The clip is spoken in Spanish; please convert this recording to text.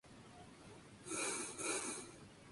Hogarth creó la "Academia de St.